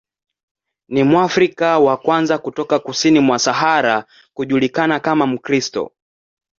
Ni Mwafrika wa kwanza kutoka kusini kwa Sahara kujulikana kama Mkristo.